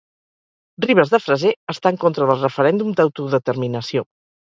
Ribes de Freser està en contra del referèndum d'autodeterminació